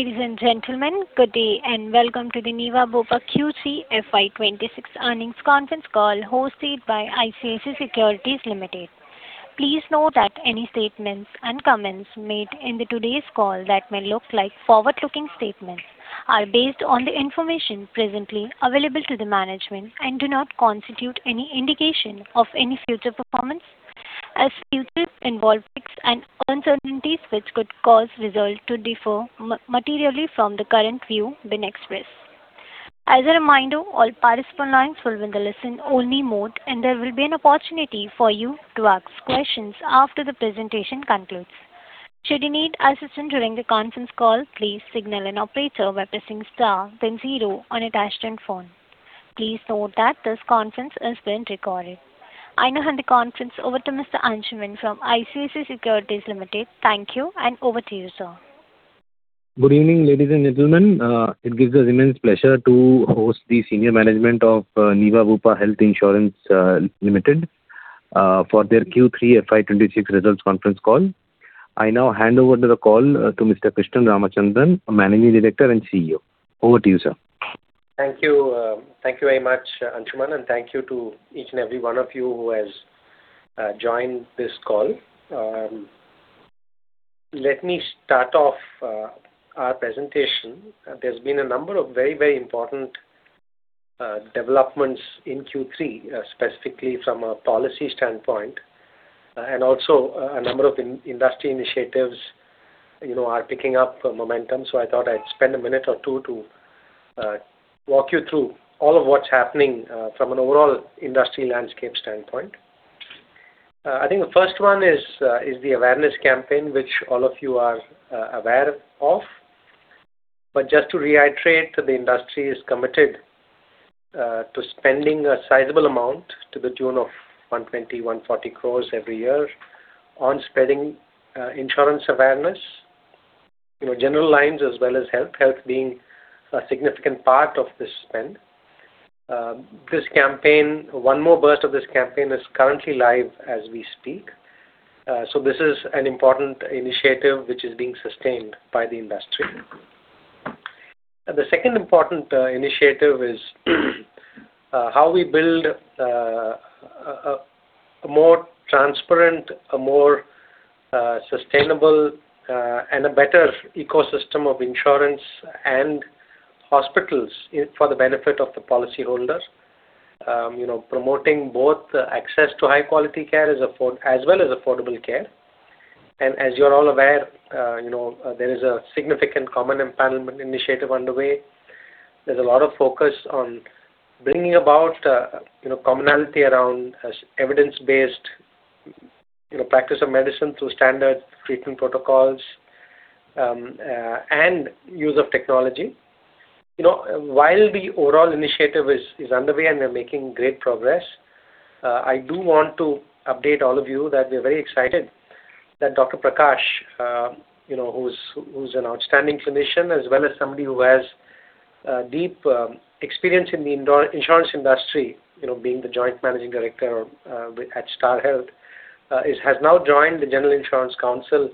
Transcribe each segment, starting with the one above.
Ladies and gentlemen, good day and welcome to the Niva Bupa Q3 FY26 earnings conference call hosted by ICICI Securities Limited. Please note that any statements and comments made in today's call that may look like forward-looking statements are based on the information presently available to the management and do not constitute any indication of any future performance, as futures involve risks and uncertainties which could cause results to differ materially from the current view being expressed. As a reminder, all participant lines will be in the listen-only mode, and there will be an opportunity for you to ask questions after the presentation concludes. Should you need assistance during the conference call, please signal an operator by pressing star then zero on your touch-tone phone. Please note that this conference is being recorded. I now hand the conference over to Mr. Anshuman from ICICI Securities Limited. Thank you, and over to you, sir. Good evening, ladies and gentlemen. It gives us immense pleasure to host the senior management of Niva Bupa Health Insurance Limited for their Q3 FY26 results conference call. I now hand over the call to Mr. Krishnan Ramachandran, Managing Director and CEO. Over to you, sir. Thank you very much, Anshuman, and thank you to each and every one of you who has joined this call. Let me start off our presentation. There's been a number of very, very important developments in Q3, specifically from a policy standpoint, and also a number of industry initiatives are picking up momentum. I thought I'd spend a minute or two to walk you through all of what's happening from an overall industry landscape standpoint. I think the first one is the awareness campaign, which all of you are aware of. But just to reiterate, the industry is committed to spending a sizable amount to the tune of 120 crore-140 crore every year on spreading insurance awareness, general lines as well as health, health being a significant part of this spend. This campaign, one more burst of this campaign is currently live as we speak. So this is an important initiative which is being sustained by the industry. The second important initiative is how we build a more transparent, a more sustainable, and a better ecosystem of insurance and hospitals for the benefit of the policyholder, promoting both access to high-quality care as well as affordable care. As you're all aware, there is a significant common empanelment initiative underway. There's a lot of focus on bringing about commonality around evidence-based practice of medicine through standard treatment protocols and use of technology. While the overall initiative is underway and we're making great progress, I do want to update all of you that we're very excited that Dr. S. Prakash, who's an outstanding clinician as well as somebody who has deep experience in the insurance industry, being the joint managing director at Star Health, has now joined the General Insurance Council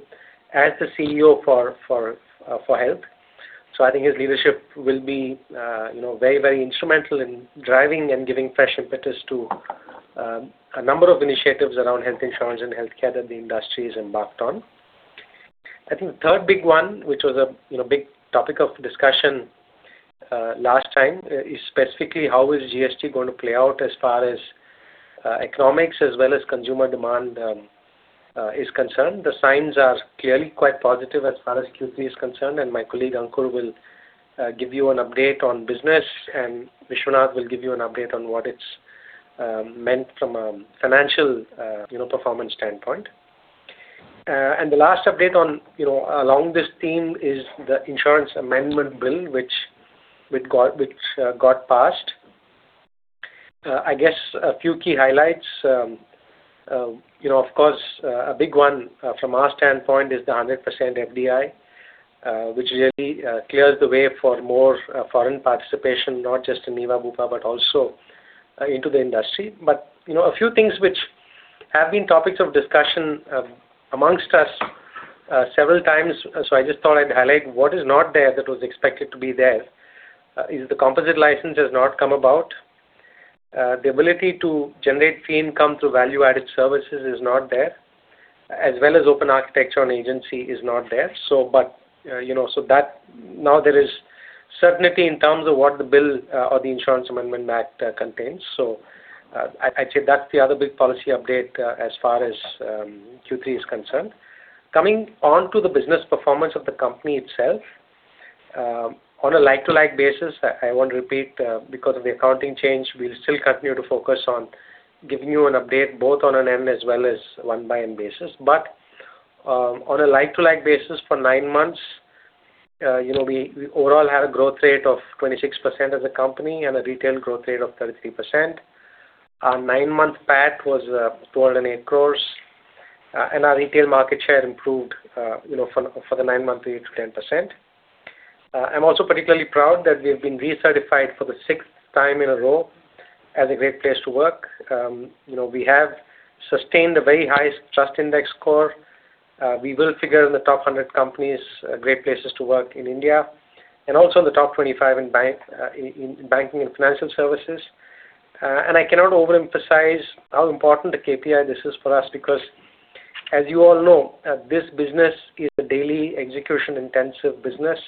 as the CEO for health. I think his leadership will be very, very instrumental in driving and giving fresh impetus to a number of initiatives around health insurance and healthcare that the industry is embarked on. I think the third big one, which was a big topic of discussion last time, is specifically how is GST going to play out as far as economics as well as consumer demand is concerned. The signs are clearly quite positive as far as Q3 is concerned, and my colleague Ankur will give you an update on business, and Vishwanath will give you an update on what it's meant from a financial performance standpoint. The last update along this theme is the Insurance Amendment Bill, which got passed. I guess a few key highlights. Of course, a big one from our standpoint is the 100% FDI, which really clears the way for more foreign participation, not just in Niva Bupa, but also into the industry. But a few things which have been topics of discussion among us several times, so I just thought I'd highlight what is not there that was expected to be there is the composite license has not come about. The ability to generate fee income through value-added services is not there, as well as open architecture on agency is not there. But now there is certainty in terms of what the bill or the Insurance Amendment Act contains. So I'd say that's the other big policy update as far as Q3 is concerned. Coming on to the business performance of the company itself, on a like-to-like basis, I want to repeat, because of the accounting change, we'll still continue to focus on giving you an update both on an Ind AS as well as 1/N basis. But on a like-to-like basis for nine months, we overall had a growth rate of 26% as a company and a retail growth rate of 33%. Our nine-month PAT was 208 crore, and our retail market share improved for the nine-month to 8%-10%. I'm also particularly proud that we have been recertified for the sixth time in a row as a great place to work. We have sustained a very high trust index score. We will figure in the top 100 companies, great places to work in India, and also in the top 25 in banking and financial services. And I cannot overemphasize how important a KPI this is for us because, as you all know, this business is a daily execution-intensive business,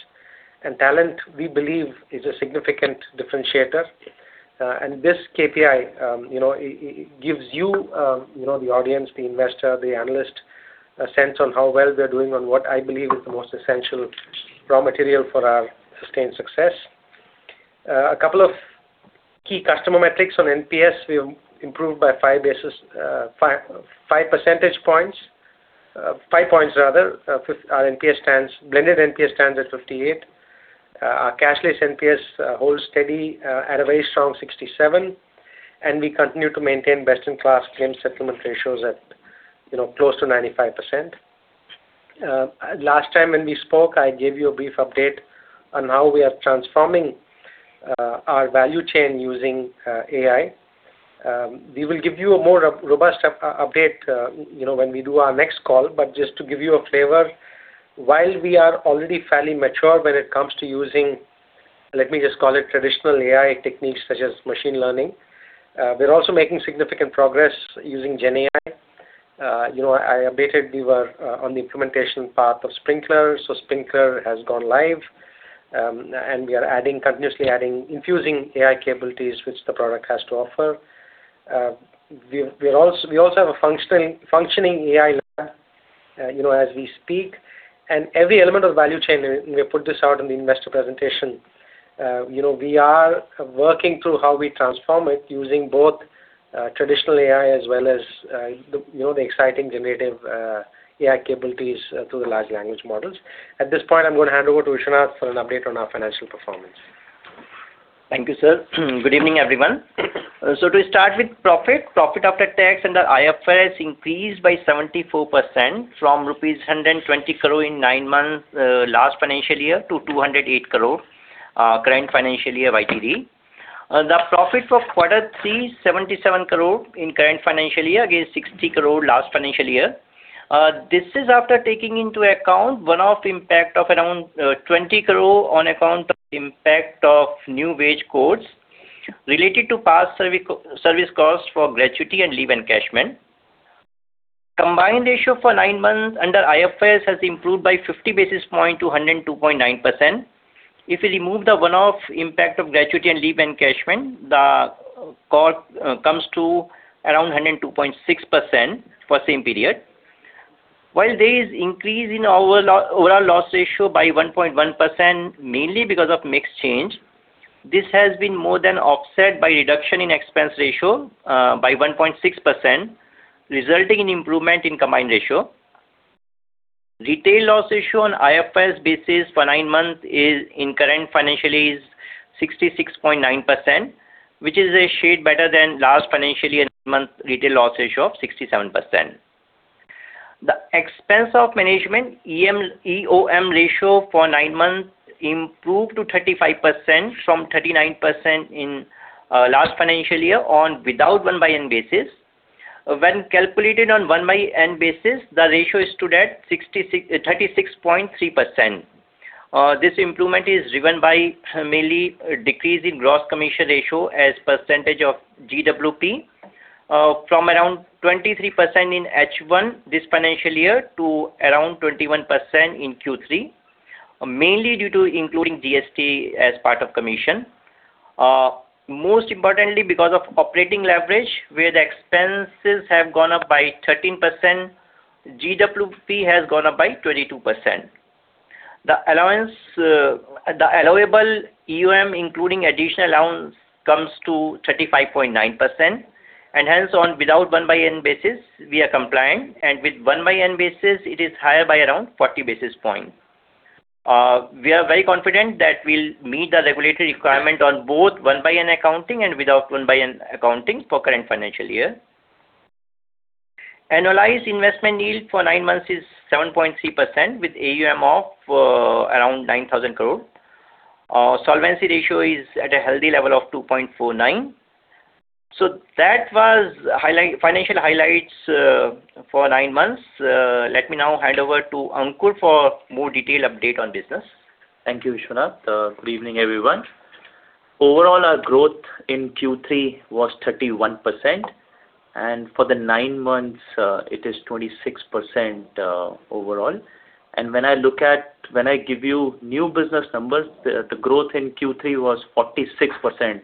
and talent, we believe, is a significant differentiator. And this KPI gives you, the audience, the investor, the analyst, a sense on how well they're doing on what I believe is the most essential raw material for our sustained success. A couple of key customer metrics on NPS, we have improved by 5 percentage points. 5 points, rather. Our NPS stands, blended NPS stands at 58. Our cashless NPS holds steady at a very strong 67, and we continue to maintain best-in-class claim settlement ratios at close to 95%. Last time when we spoke, I gave you a brief update on how we are transforming our value chain using AI. We will give you a more robust update when we do our next call, but just to give you a flavor, while we are already fairly mature when it comes to using, let me just call it, traditional AI techniques such as machine learning, we're also making significant progress using GenAI. I updated, we were on the implementation path of Sprinklr, so Sprinklr has gone live, and we are adding, continuously adding, infusing AI capabilities which the product has to offer. We also have a functioning AI lab as we speak, and every element of value chain, we put this out in the investor presentation. We are working through how we transform it using both traditional AI as well as the exciting generative AI capabilities through the large language models. At this point, I'm going to hand over to Vishwanath for an update on our financial performance. Thank you, sir. Good evening, everyone. So to start with profit, profit after tax and the IFRS increased by 74% from rupees 120 crore in nine months last financial year to 208 crore current financial year YTD. The profit for quarter three, 77 crore in current financial year against 60 crore last financial year. This is after taking into account one-off impact of around 20 crore on account of impact of new wage codes related to past service costs for gratuity and leave encashment. Combined ratio for nine months under IFRS has improved by 50 basis points to 102.9%. If we remove the one-off impact of gratuity and leave encashment, the core comes to around 102.6% for the same period. While there is an increase in our overall loss ratio by 1.1%, mainly because of mixed change, this has been more than offset by reduction in expense ratio by 1.6%, resulting in improvement in combined ratio. Retail loss ratio on IFRS basis for nine months in current financial year is 66.9%, which is a shade better than last financial year's retail loss ratio of 67%. The expense of management EOM ratio for nine months improved to 35% from 39% in last financial year on without 1/N basis. When calculated on 1/N basis, the ratio is today at 36.3%. This improvement is driven by mainly decrease in gross commission ratio as percentage of GWP from around 23% in H1 this financial year to around 21% in Q3, mainly due to including GST as part of commission. Most importantly, because of operating leverage, where the expenses have gone up by 13%, GWP has gone up by 22%. The allowable EOM, including additional allowance, comes to 35.9%, and hence on without 1/N basis, we are compliant, and with 1/N basis, it is higher by around 40 basis points. We are very confident that we'll meet the regulatory requirement on both 1/N accounting and without 1/N accounting for current financial year. Annualized investment yield for nine months is 7.3% with AUM of around 9,000 crore. Solvency ratio is at a healthy level of 2.49. So that was financial highlights for nine months. Let me now hand over to Ankur for more detailed update on business. Thank you, Vishwanath. Good evening, everyone. Overall, our growth in Q3 was 31%, and for the nine months, it is 26% overall. When I look at, when I give you new business numbers, the growth in Q3 was 46%,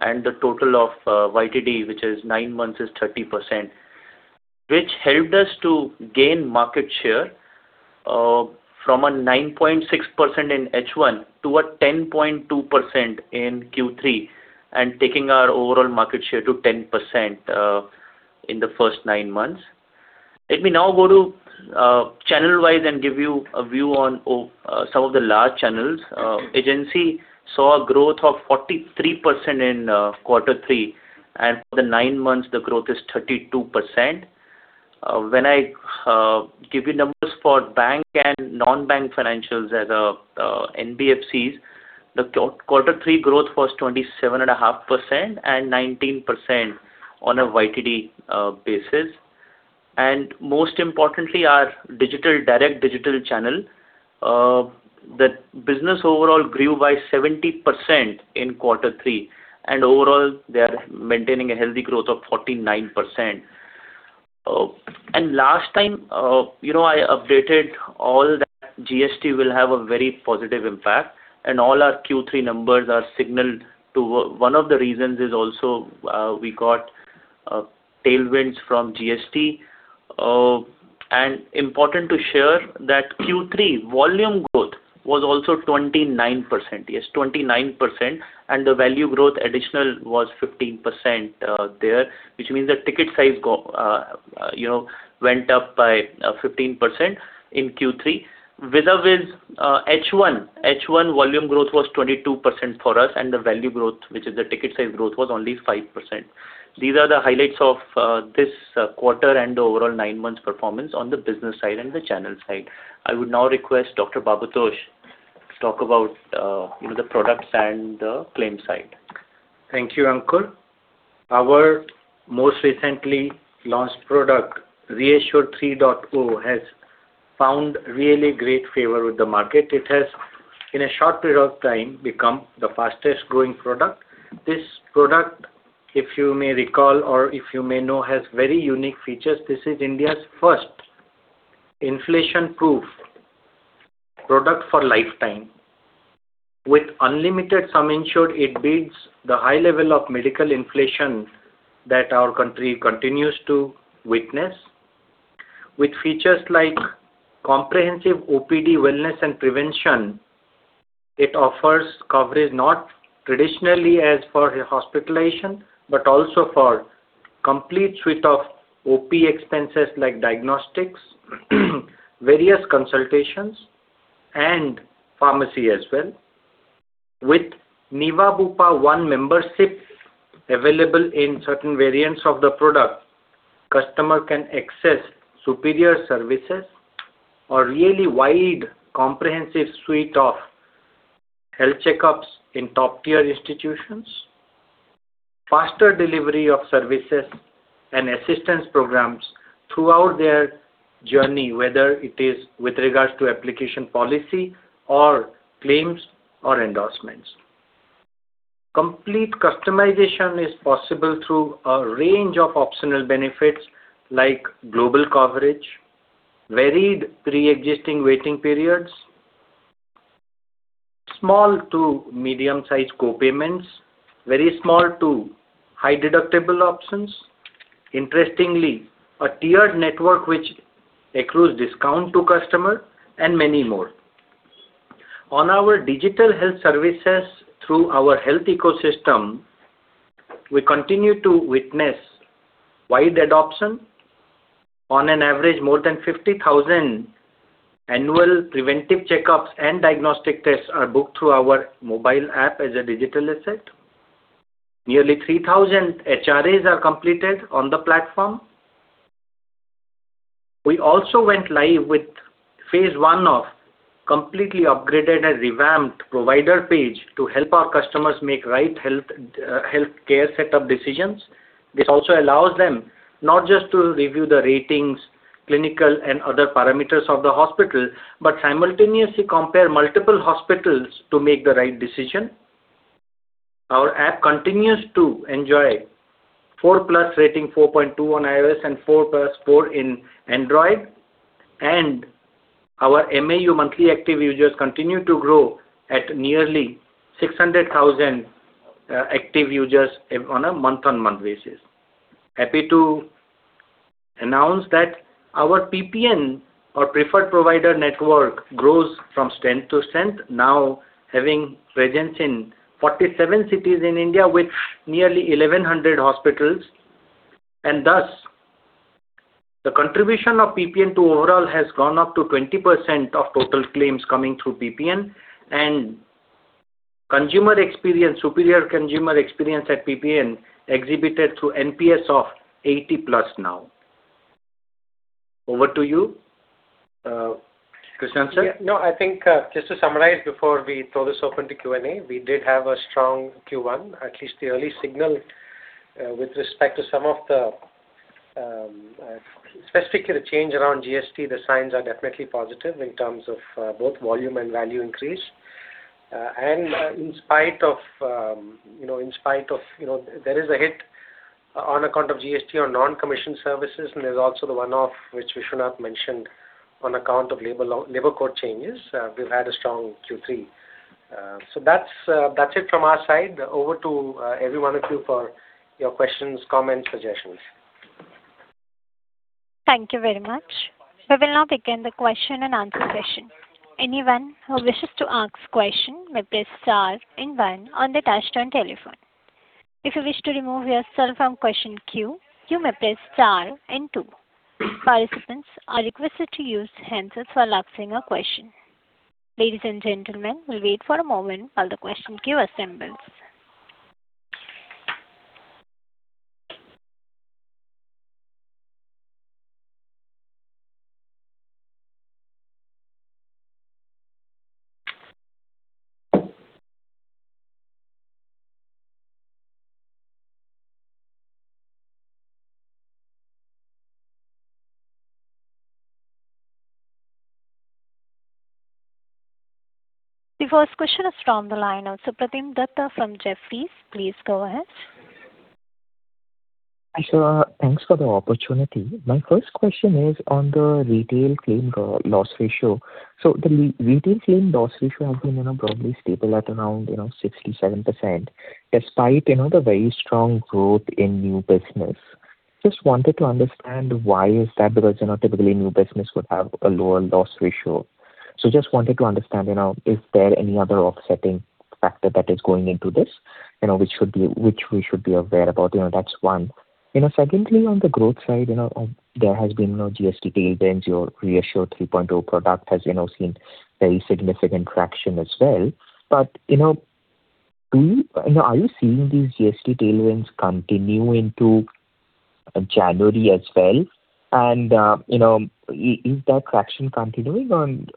and the total of YTD, which is nine months, is 30%, which helped us to gain market share from a 9.6% in H1 to a 10.2% in Q3 and taking our overall market share to 10% in the first nine months. Let me now go to channel-wise and give you a view on some of the large channels. Agency saw a growth of 43% in quarter three, and for the nine months, the growth is 32%. When I give you numbers for bank and non-bank financials as NBFCs, the quarter three growth was 27.5% and 19% on a YTD basis. And most importantly, our direct digital channel, the business overall grew by 70% in quarter three, and overall, they are maintaining a healthy growth of 49%. Last time, I updated all that GST will have a very positive impact, and all our Q3 numbers are signaled to - one of the reasons is also we got tailwinds from GST. Important to share that Q3 volume growth was also 29%, yes, 29%, and the value growth additional was 15% there, which means the ticket size went up by 15% in Q3. Vis-à-vis H1, H1 volume growth was 22% for us, and the value growth, which is the ticket size growth, was only 5%. These are the highlights of this quarter and overall nine months performance on the business side and the channel side. I would now request Dr. Bhabatosh Mishra to talk about the products and the claim side. Thank you, Ankur. Our most recently launched product, ReAssure 3.0, has found really great favor with the market. It has, in a short period of time, become the fastest-growing product. This product, if you may recall or if you may know, has very unique features. This is India's first inflation-proof product for lifetime. With unlimited sum insured, it beats the high level of medical inflation that our country continues to witness. With features like comprehensive OPD wellness and prevention, it offers coverage not traditionally as for hospitalization, but also for complete suite of OP expenses like diagnostics, various consultations, and pharmacy as well. With Niva Bupa One membership available in certain variants of the product, customer can access superior services or really wide comprehensive suite of health checkups in top-tier institutions, faster delivery of services, and assistance programs throughout their journey, whether it is with regards to application policy or claims or endorsements. Complete customization is possible through a range of optional benefits like global coverage, varied pre-existing waiting periods, small to medium-sized co-payments, very small to high-deductible options, interestingly, a tiered network which accrues discount to customers, and many more. On our digital health services through our health ecosystem, we continue to witness wide adoption. On an average, more than 50,000 annual preventive checkups and diagnostic tests are booked through our mobile app as a digital asset. Nearly 3,000 HRAs are completed on the platform. We also went live with phase one of completely upgraded and revamped provider page to help our customers make right healthcare setup decisions. This also allows them not just to review the ratings, clinical, and other parameters of the hospital, but simultaneously compare multiple hospitals to make the right decision. Our app continues to enjoy 4.0+ rating 4.2 on iOS and 4+ 4.4 in Android, and our MAU monthly active users continue to grow at nearly 600,000 active users on a month-on-month basis. Happy to announce that our PPN or preferred provider network grows from strength to strength, now having presence in 47 cities in India with nearly 1,100 hospitals. Thus, the contribution of PPN to overall has gone up to 20% of total claims coming through PPN, and consumer experience, superior consumer experience at PPN exhibited through NPS of 80+ now. Over to you, Krishnan. Yeah. No, I think just to summarize before we throw this open to Q&A, we did have a strong Q1, at least the early signal with respect to some of the specifically the change around GST; the signs are definitely positive in terms of both volume and value increase. And in spite of, in spite of there is a hit on account of GST on non-commission services, and there's also the one-off which Vishwanath mentioned on account of labor code changes, we've had a strong Q3. So that's it from our side. Over to everyone of you for your questions, comments, suggestions. Thank you very much. We will now begin the question and answer session. Anyone who wishes to ask a question may press star and one on the touch-tone telephone. If you wish to remove yourself from the question queue, you may press star and two. Participants are requested to use handsets while asking a question. Ladies and gentlemen, we'll wait for a moment while the question queue assembles. The first question is from the line of Supratim Datta from Jefferies. Please go ahead. Thanks for the opportunity. My first question is on the retail claim loss ratio. So the retail claim loss ratio has been broadly stable at around 67% despite the very strong growth in new business. Just wanted to understand why is that? Because typically, new business would have a lower loss ratio. So just wanted to understand if there are any other offsetting factors that are going into this, which we should be aware about. That's one. Secondly, on the growth side, there has been GST tailwinds. Your ReAssure 3.0 product has seen a very significant traction as well. But are you seeing these GST tailwinds continue into January as well? And is that traction continuing, or should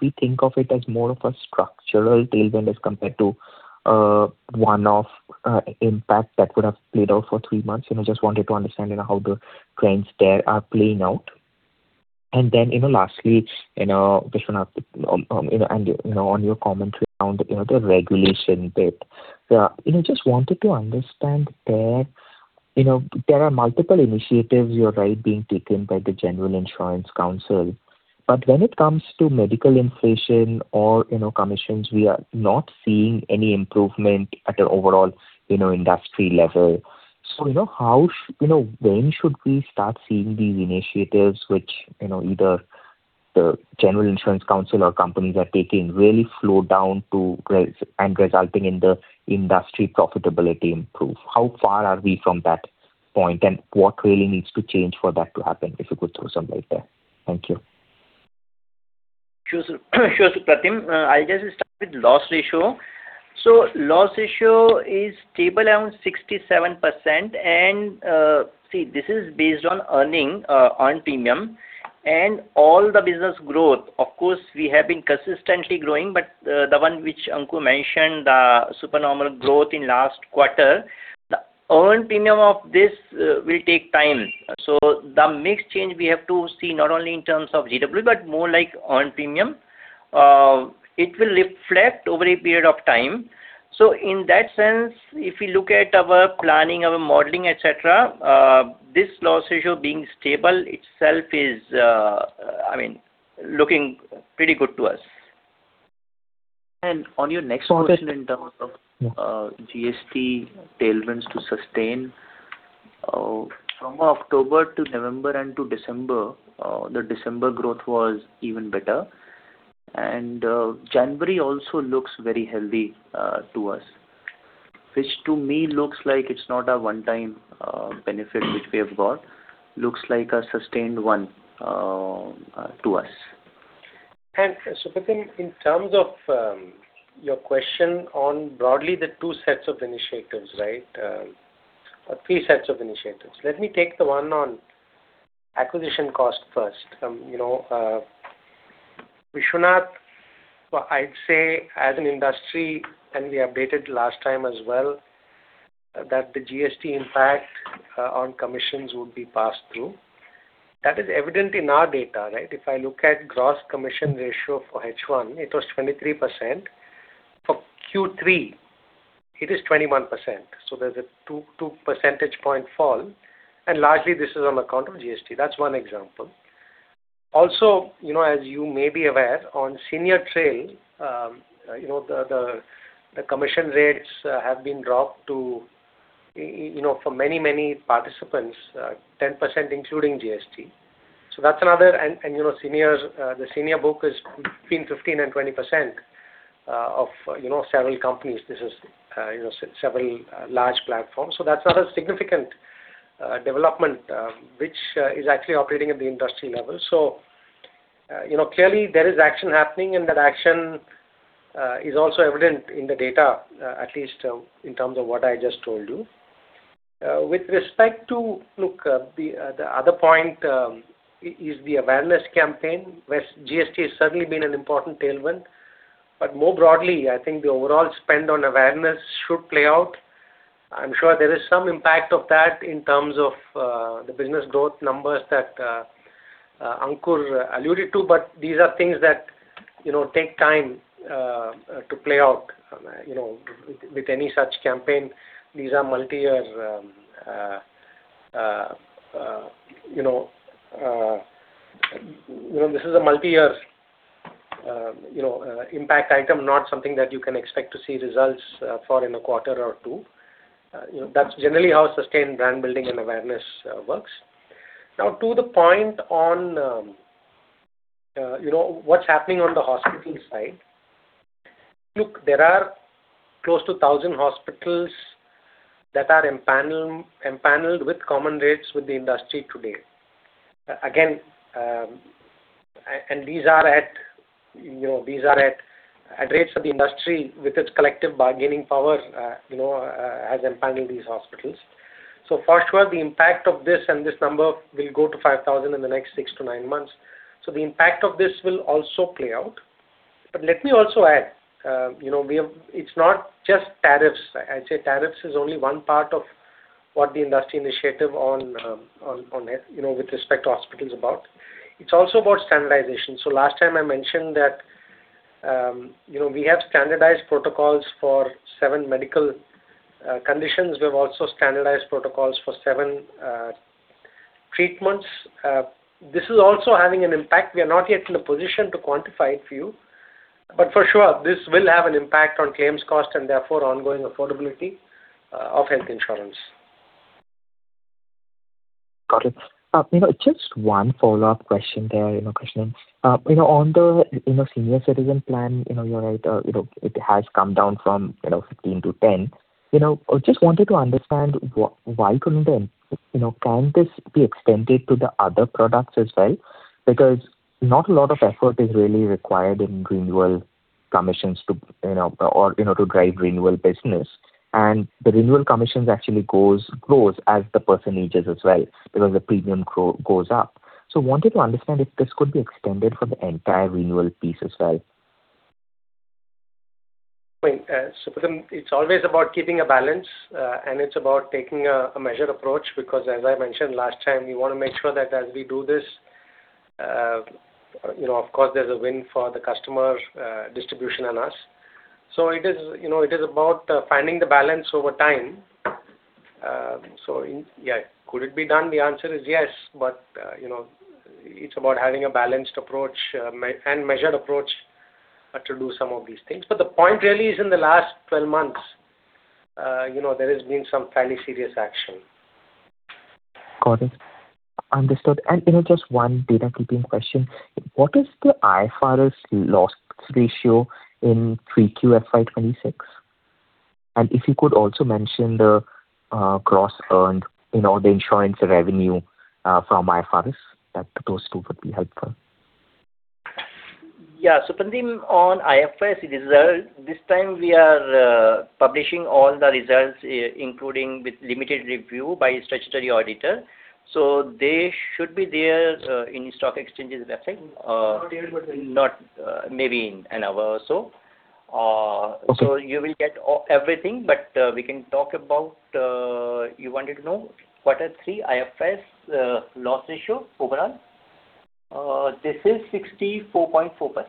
we think of it as more of a structural tailwind as compared to one-off impact that would have played out for three months? Just wanted to understand how the trends there are playing out. Then lastly, Krishnan, on your commentary on the regulation bit, just wanted to understand there are multiple initiatives, you're right, being taken by the General Insurance Council. But when it comes to medical inflation or commissions, we are not seeing any improvement at an overall industry level. So when should we start seeing these initiatives which either the General Insurance Council or companies are taking really slow down and resulting in the industry profitability improve? How far are we from that point, and what really needs to change for that to happen if you could throw some light there? Thank you. Sure, Supratim. I'll just start with loss ratio. So loss ratio is stable around 67%. And see, this is based on earned premium. And all the business growth, of course, we have been consistently growing, but the one which Ankur mentioned, the supernormal growth in last quarter, the earned premium of this will take time. So the mix change we have to see not only in terms of GWP, but more like earned premium. It will reflect over a period of time. So in that sense, if we look at our planning, our modeling, etc., this loss ratio being stable itself is, I mean, looking pretty good to us. On your next question in terms of GST tailwinds to sustain, from October to November and to December, the December growth was even better. January also looks very healthy to us, which to me looks like it's not a one-time benefit which we have got. Looks like a sustained one to us. Supratim, in terms of your question on broadly the two sets of initiatives, right, or three sets of initiatives, let me take the one on acquisition cost first. Krishnan, I'd say as an industry, and we updated last time as well, that the GST impact on commissions would be passed through. That is evident in our data, right? If I look at gross commission ratio for H1, it was 23%. For Q3, it is 21%. So there's a two percentage point fall. And largely, this is on account of GST. That's one example. Also, as you may be aware, on senior trail, the commission rates have been dropped to, for many, many participants, 10% including GST. So that's another. And the senior book is between 15%-20% of several companies. This is several large platforms. So that's another significant development which is actually operating at the industry level. So clearly, there is action happening, and that action is also evident in the data, at least in terms of what I just told you. With respect to, look, the other point is the awareness campaign, where GST has certainly been an important tailwind. But more broadly, I think the overall spend on awareness should play out. I'm sure there is some impact of that in terms of the business growth numbers that Ankur alluded to, but these are things that take time to play out. With any such campaign, these are multi-year this is a multi-year impact item, not something that you can expect to see results for in a quarter or two. That's generally how sustained brand building and awareness works. Now, to the point on what's happening on the hospital side, look, there are close to 1,000 hospitals that are empaneled with common rates with the industry today. Again, and these are at rates that the industry, with its collective bargaining power, has empaneled these hospitals. So for sure, the impact of this and this number will go to 5,000 in the next six to nine months. So the impact of this will also play out. But let me also add, it's not just tariffs. I'd say tariffs is only one part of what the industry initiative on with respect to hospitals about. It's also about standardization. So last time, I mentioned that we have standardized protocols for seven medical conditions. We have also standardized protocols for seven treatments. This is also having an impact. We are not yet in a position to quantify it for you. But for sure, this will have an impact on claims cost and therefore ongoing affordability of health insurance. Got it. Just one follow-up question there, Krishnan. On the senior citizen plan, you're right, it has come down from 15% to 10%. I just wanted to understand why couldn't this be extended to the other products as well? Because not a lot of effort is really required in renewal commissions or to drive renewal business. And the renewal commissions actually grows as the person ages as well because the premium goes up. So I wanted to understand if this could be extended for the entire renewal piece as well. Well, Supratim, it's always about keeping a balance, and it's about taking a measured approach because, as I mentioned last time, we want to make sure that as we do this, of course, there's a win for the customer, distribution, and us. So it is about finding the balance over time. So yeah, could it be done? The answer is yes, but it's about having a balanced approach and measured approach to do some of these things. But the point really is in the last 12 months, there has been some fairly serious action. Got it. Understood. And just one data-keeping question. What is the IFRS loss ratio in 3Q FY 2026? And if you could also mention the gross earned in all the insurance revenue from IFRS, those two would be helpful. Yeah. Supratim, on IFRS results, this time, we are publishing all the results, including with limited review by a statutory auditor. So they should be there in Stock Exchange's website, maybe in an hour or so. So you will get everything, but we can talk about you wanted to know what are Q3 IFRS loss ratios overall? This is 64.4%.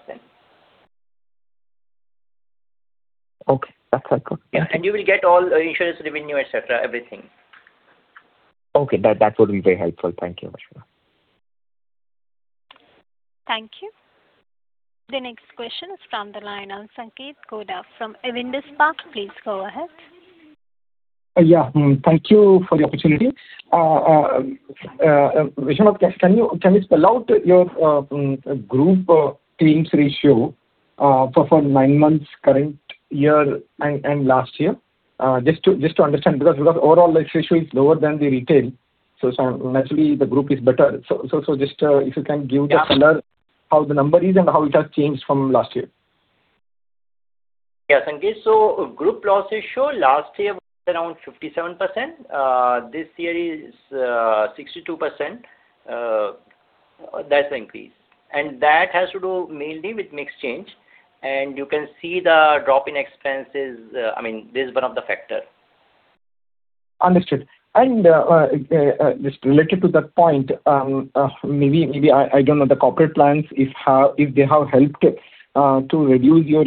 Okay. That's helpful. Yeah. And you will get all insurance revenue, etc., everything. Okay. That would be very helpful. Thank you very much. Thank you. The next question is from the line of Sanketh Godha from Avendus Spark, please go ahead. Yeah. Thank you for the opportunity. Vishwanath, can you spell out your group claims ratio for nine months, current year and last year? Just to understand, because overall, this ratio is lower than the retail. So naturally, the group is better. So just if you can give the color how the number is and how it has changed from last year. Yeah. Sanketh, so group loss ratio last year was around 57%. This year is 62%. That's the increase. And that has to do mainly with mixed change. And you can see the drop in expenses. I mean, this is one of the factors. Understood. And just related to that point, maybe I don't know the corporate plans, if they have helped to reduce your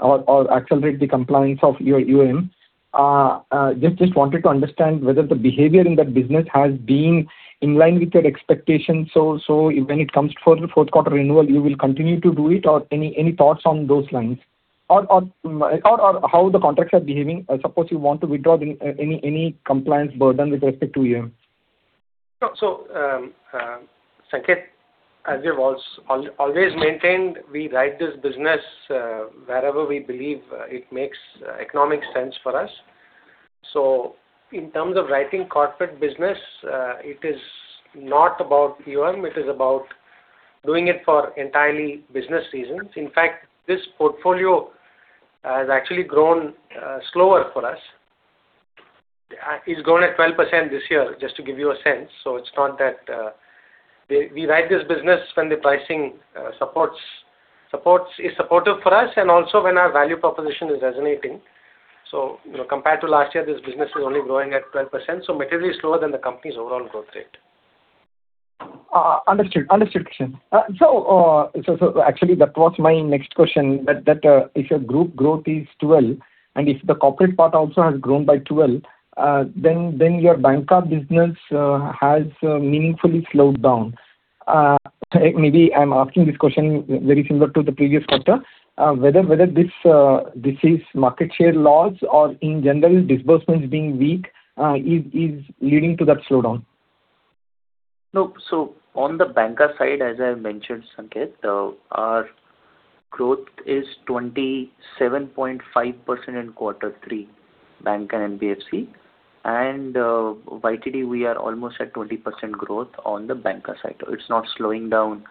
or accelerate the compliance of your. Just wanted to understand whether the behavior in that business has been in line with your expectations. So when it comes for the fourth-quarter renewal, you will continue to do it, or any thoughts on those lines, or how the contracts are behaving? I suppose you want to withdraw any compliance burden with respect to So Sanketh, as you've always maintained, we write this business wherever we believe it makes economic sense for us. So in terms of writing corporate business, it is not about. It is about doing it for entirely business reasons. In fact, this portfolio has actually grown slower for us. It's grown at 12% this year, just to give you a sense. So it's not that we write this business when the pricing is supportive for us and also when our value proposition is resonating. So compared to last year, this business is only growing at 12%, so materially slower than the company's overall growth rate. Understood. Understood, Krishnan. So actually, that was my next question. That if your group growth is 12, and if the corporate part also has grown by 12, then your Banca business has meaningfully slowed down. Maybe I'm asking this question very similar to the previous quarter. Whether this is market share loss or in general, disbursements being weak is leading to that slowdown? No. So on the Banca side, as I mentioned, Sanketh, our growth is 27.5% in quarter three, bank and NBFC. And YTD, we are almost at 20% growth on the banker side. It's not slowing down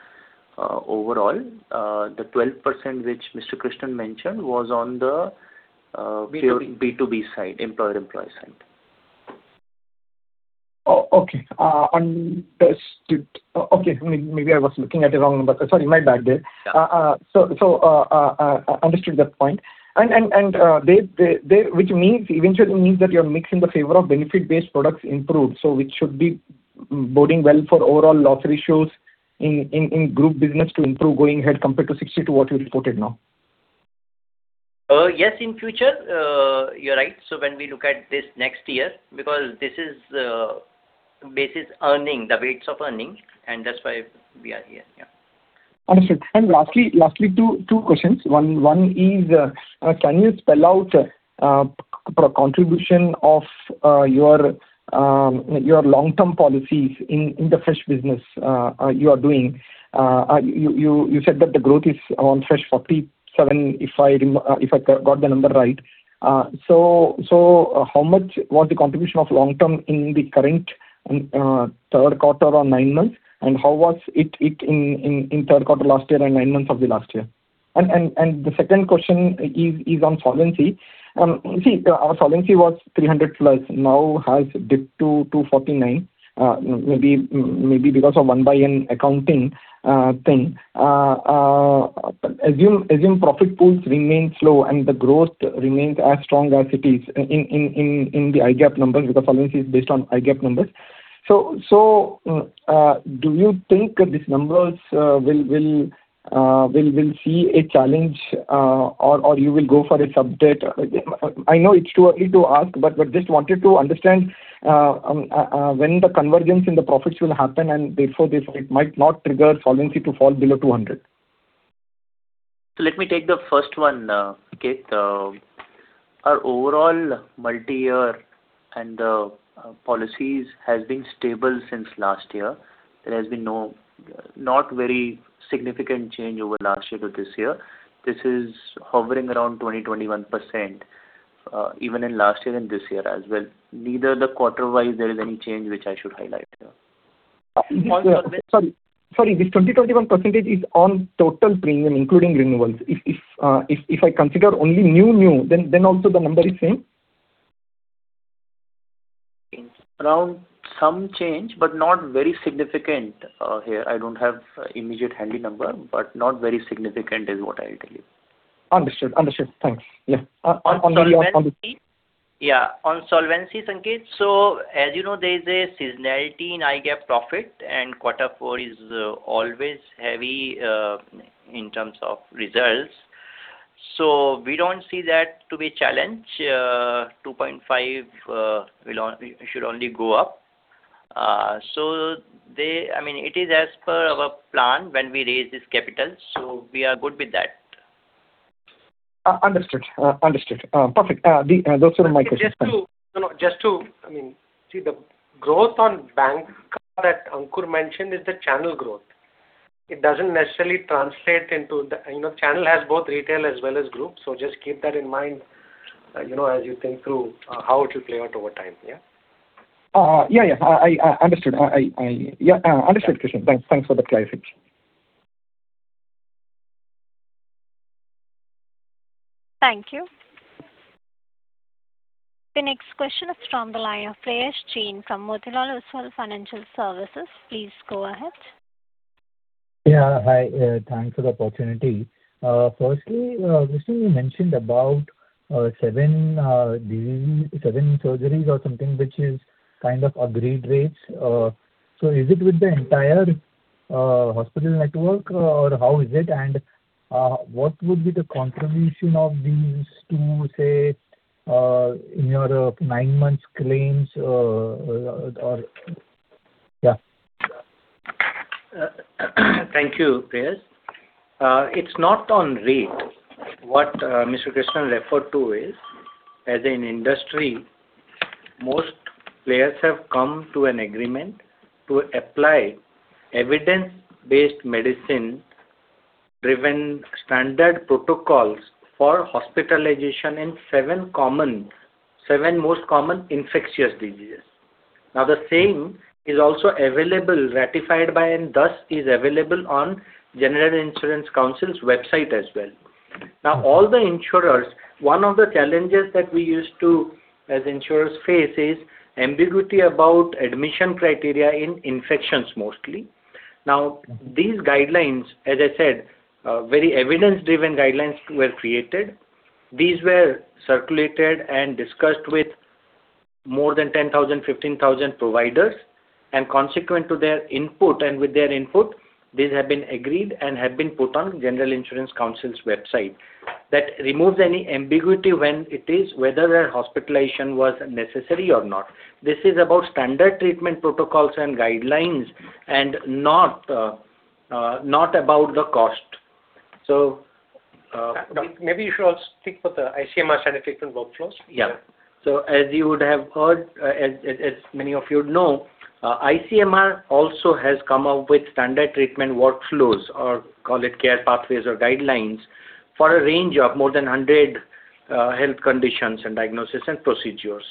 overall. The 12% which Mr. Krishnan mentioned was on the B2B side, employer-employee side. Oh, okay. Okay. Maybe I was looking at the wrong number. Sorry, my bad day. So I understood that point. And which eventually means that your mix in the favor of benefit-based products improved, so which should be boding well for overall loss ratios in group business to improve going ahead compared to 62, what you reported now? Yes, in future. You're right. So when we look at this next year, because this is earnings, the weights of earnings, and that's why we are here. Yeah. Understood. Lastly, two questions. One is, can you spell out the contribution of your long-term policies in the fresh business you are doing? You said that the growth is on fresh 47, if I got the number right. So how much was the contribution of long-term in the current third quarter or nine months? And how was it in third quarter last year and nine months of the last year? And the second question is on solvency. See, our solvency was 300+. Now has dipped to 249, maybe because of 1/N accounting thing. But assume profit pools remain slow and the growth remains as strong as it is in the IGAAP numbers because solvency is based on IGAAP numbers. So do you think these numbers will see a challenge or you will go for a subdebt? I know it's too early to ask, but just wanted to understand when the convergence in the profits will happen and therefore it might not trigger solvency to fall below 200. Let me take the first one, Sanketh. Our overall multi-year and the policies has been stable since last year. There has been no not very significant change over last year to this year. This is hovering around 20%-21%, even in last year and this year as well. Neither the quarter-wise, there is any change which I should highlight. Sorry. This 20.1% is on total premium, including renewals. If I consider only new, then also the number is same? Around some change, but not very significant here. I don't have immediately handy number, but not very significant is what I'll tell you. Understood. Understood. Thanks. Yeah. On solvency? Yeah. On solvency, Sanketh, so as you know, there is a seasonality in IGAAP profit, and quarter four is always heavy in terms of results. So we don't see that to be a challenge. 2.5 should only go up. So I mean, it is as per our plan when we raise this capital. So we are good with that. Understood. Understood. Perfect. Those were my questions. Just to, I mean, see, the growth on bancassurance that Ankur mentioned is the channel growth. It doesn't necessarily translate into the channel has both retail as well as group. So just keep that in mind as you think through how it will play out over time. Yeah. Yeah. Yes. I understood. Yeah. Understood, Krishnan. Thanks for the clarification. Thank you. The next question is from the line of Prayesh Jain from Motilal Oswal Financial Services. Please go ahead. Yeah. Hi. Thanks for the opportunity. First, Krishnan, you mentioned about seven surgeries or something, which is kind of aggregate rates. So is it with the entire hospital network, or how is it? And what would be the contribution of these two, say, in your nine-month claims or yeah? Thank you, Prayesh. It's not on rate. What Mr. Krishnan referred to is, as an industry, most players have come to an agreement to apply evidence-based medicine-driven standard protocols for hospitalization in 7 most common infectious diseases. Now, the same is also available, ratified by, and thus is available on General Insurance Council's website as well. Now, all the insurers, one of the challenges that we used to, as insurers, face is ambiguity about admission criteria in infections mostly. Now, these guidelines, as I said, very evidence-driven guidelines were created. These were circulated and discussed with more than 10,000, 15,000 providers. And consequent to their input and with their input, these have been agreed and have been put on General Insurance Council's website. That removes any ambiguity when it is whether hospitalization was necessary or not. This is about standard treatment protocols and guidelines and not about the cost. Maybe you should also speak for the ICMR standard treatment workflows. Yeah. So as you would have heard, as many of you would know, ICMR also has come up with standard treatment workflows or call it care pathways or guidelines for a range of more than 100 health conditions and diagnoses and procedures.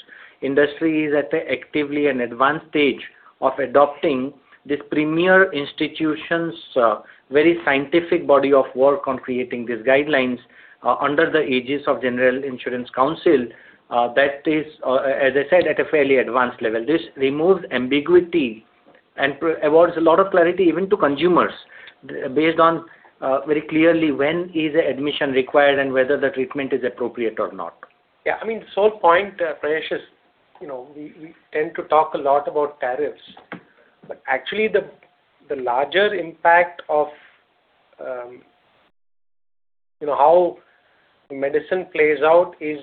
Industry is at the active and advanced stage of adopting this premier institution's very scientific body of work on creating these guidelines under the aegis of General Insurance Council. That is, as I said, at a fairly advanced level. This removes ambiguity and affords a lot of clarity even to consumers based on very clearly when is admission required and whether the treatment is appropriate or not. Yeah. I mean, the sole point, Prayesh, is we tend to talk a lot about tariffs. But actually, the larger impact of how medicine plays out is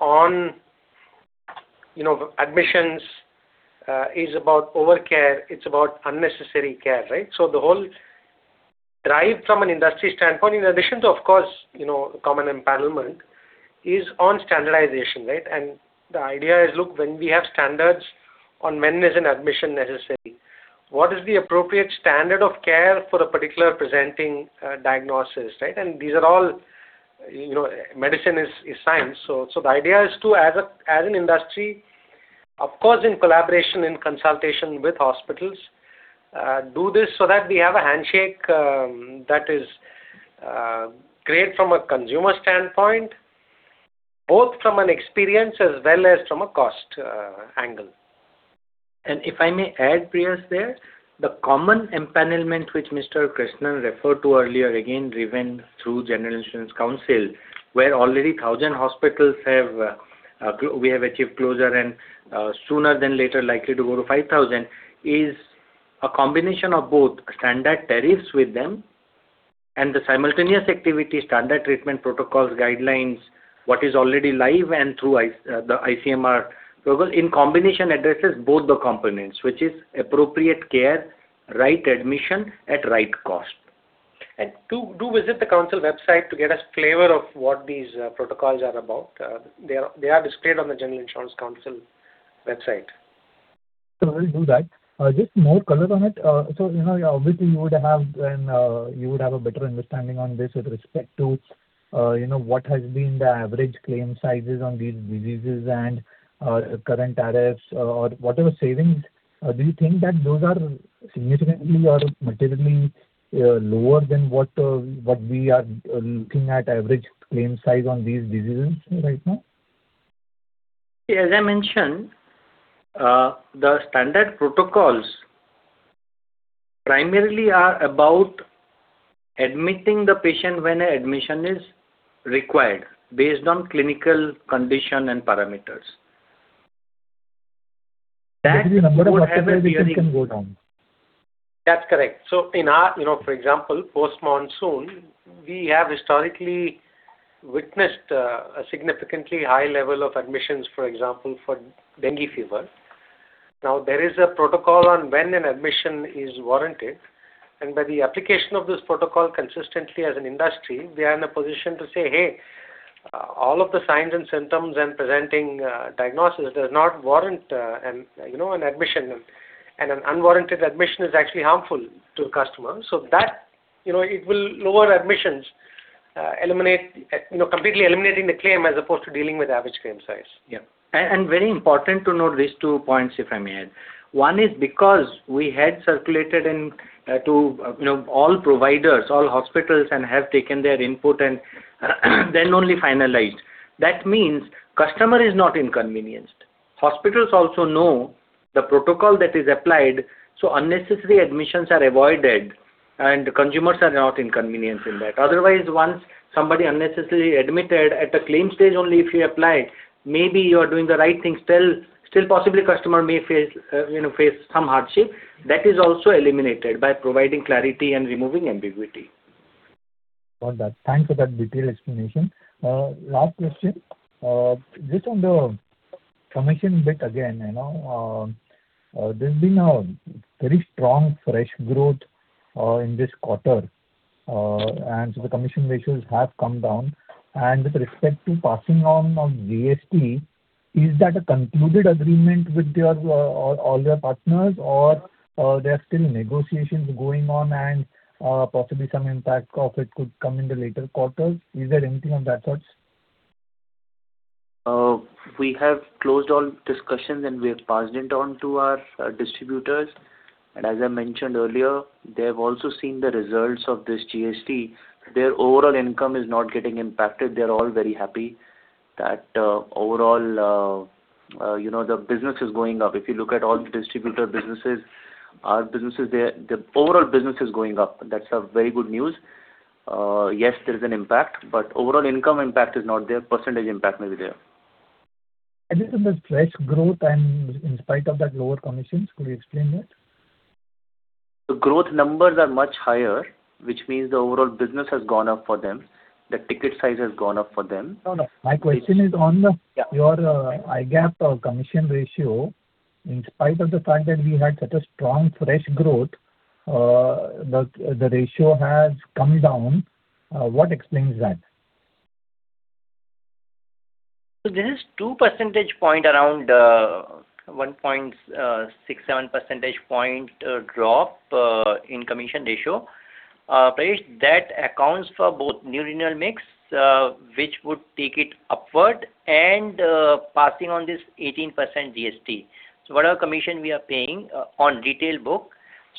on admissions, is about overcare. It's about unnecessary care, right? So the whole drive from an industry standpoint, in addition to, of course, consumer empowerment, is on standardization, right? And the idea is, look, when we have standards on when is an admission necessary, what is the appropriate standard of care for a particular presenting diagnosis, right? And these are all, medicine is science. So the idea is to, as an industry, of course, in collaboration and consultation with hospitals, do this so that we have a handshake that is great from a consumer standpoint, both from an experience as well as from a cost angle. And if I may add, Prayesh, there, the common empanelment which Mr. Krishnan referred to earlier, again, driven through General Insurance Council, where already 1,000 hospitals we have achieved closure and sooner than later likely to go to 5,000, is a combination of both standard tariffs with them and the simultaneous activity standard treatment protocols, guidelines, what is already live and through the ICMR, in combination addresses both the components, which is appropriate care, right admission at right cost. Do visit the council website to get a flavor of what these protocols are about. They are displayed on the General Insurance Council website. So I'll do that. Just more color on it. So obviously, you would have a better understanding on this with respect to what has been the average claim sizes on these diseases and current tariffs or whatever savings. Do you think that those are significantly or materially lower than what we are looking at average claim size on these diseases right now? Yeah. As I mentioned, the standard protocols primarily are about admitting the patient when admission is required based on clinical condition and parameters. That's the number of hospitals which can go down. That's correct. So in our, for example, post monsoon, we have historically witnessed a significantly high level of admissions, for example, for dengue fever. Now, there is a protocol on when an admission is warranted. And by the application of this protocol consistently as an industry, we are in a position to say, "Hey, all of the signs and symptoms and presenting diagnosis does not warrant an admission. And an unwarranted admission is actually harmful to the customer." So that it will lower admissions, completely eliminating the claim as opposed to dealing with average claim size. Yeah. And very important to note these two points, if I may add. One is because we had circulated to all providers, all hospitals, and have taken their input and then only finalized. That means customer is not inconvenienced. Hospitals also know the protocol that is applied, so unnecessary admissions are avoided and consumers are not inconvenienced in that. Otherwise, once somebody unnecessarily admitted at the claim stage only if you applied, maybe you are doing the right thing. Still, possibly customer may face some hardship. That is also eliminated by providing clarity and removing ambiguity. Got that. Thanks for that detailed explanation. Last question. Just on the commission bit again, there's been a very strong fresh growth in this quarter. And so the commission ratios have come down. And with respect to passing on of GST, is that a concluded agreement with all your partners, or there are still negotiations going on and possibly some impact of it could come in the later quarters? Is there anything of that sort? We have closed all discussions and we have passed it on to our distributors. As I mentioned earlier, they have also seen the results of this GST. Their overall income is not getting impacted. They're all very happy that overall the business is going up. If you look at all the distributor businesses, our businesses, the overall business is going up. That's very good news. Yes, there's an impact, but overall income impact is not there. Percentage impact may be there. This is the fresh growth, and in spite of that lower commissions, could you explain that? The growth numbers are much higher, which means the overall business has gone up for them. The ticket size has gone up for them. No, no. My question is on your IGAAP commission ratio. In spite of the fact that we had such a strong fresh growth, the ratio has come down. What explains that? So there is 2 percentage points around 1.67 percentage point drop in commission ratio. That accounts for both new renewal mix, which would take it upward, and passing on this 18% GST. So whatever commission we are paying on retail book,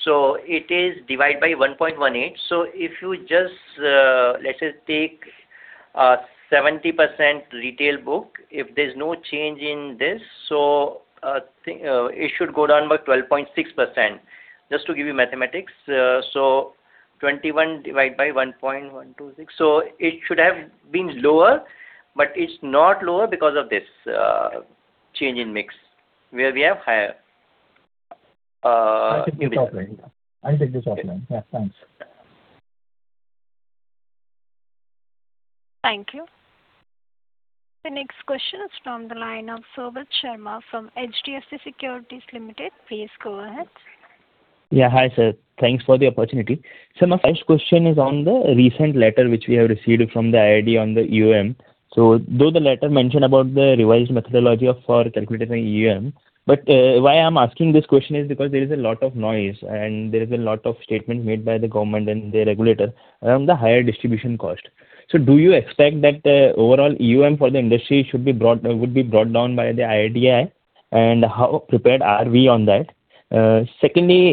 so it is divided by 1.18. So if you just, let's say, take 70% retail book, if there's no change in this, so it should go down by 12.6%. Just to give you mathematics, so 21 divided by 1.126. So it should have been lower, but it's not lower because of this change in mix where we have higher. I'll take this offline. I'll take this offline. Yeah. Thanks. Thank you. The next question is from the line of Shobhit Sharma from HDFC Securities Limited. Please go ahead. Yeah. Hi, sir. Thanks for the opportunity. Sir, my first question is on the recent letter which we have received from the IRDAI on the EOM. So though the letter mentioned about the revised methodology of calculating EOM, but why I'm asking this question is because there is a lot of noise and there is a lot of statement made by the government and the regulator around the higher distribution cost. So do you expect that the overall EOM for the industry should be brought down by the IRDAI? And how prepared are we on that? Secondly,